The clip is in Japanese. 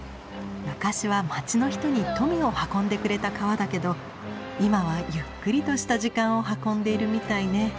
昔は街の人に富を運んでくれた川だけど今はゆっくりとした時間を運んでいるみたいね。